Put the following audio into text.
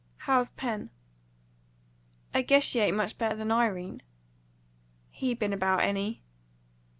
"How's Pen?" "I guess she ain't much better than Irene." "He been about any?"